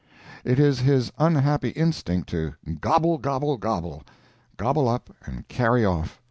It is his unhappy instinct to gobble, gobble, gobble—gobble up and carry off.